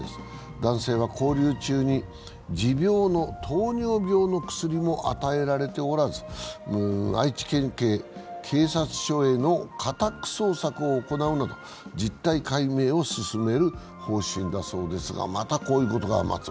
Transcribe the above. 男性は勾留中に持病の糖尿病の薬も与えられておらず、愛知県警、警察署への家宅捜索を行うなど実態解明を進める方針だそうですがまたこういうことが。